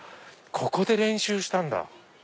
ここで練習したんだ！